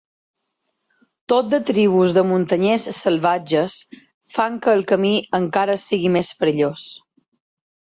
Tot de tribus de muntanyers salvatges fan que el camí encara sigui més perillós.